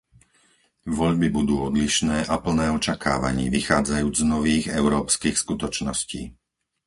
Voľby budú odlišné a plné očakávaní vychádzajúc z nových európskych skutočností.